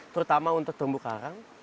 terutama untuk tumbuh karang